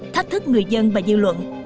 thách thức người dân và dư luận